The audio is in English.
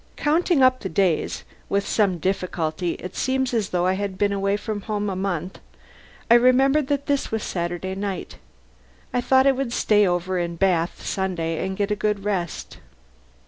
Counting up the days (with some difficulty: it seemed as though I had been away from home a month), I remembered that this was Saturday night. I thought I would stay in Bath over Sunday and get a good rest.